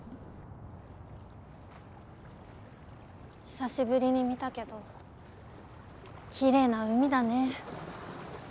久しぶりに見たけどきれいな海だね。